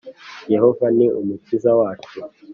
Yehova ni umukiza wacu